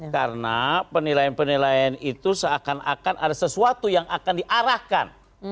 karena penilaian penilaian itu seakan akan ada sesuatu yang akan diarahkan